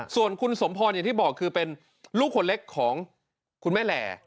ส่วนคุณสมพรอย่างที่บอกคือเป็นลูกคนเล็กของคุณแม่แหล่